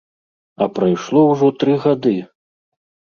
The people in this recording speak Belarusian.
А прайшло ўжо тры гады!